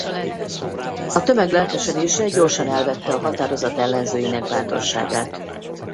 A tömeg lelkesedése gyorsan elvette a határozat ellenzőinek bátorságát.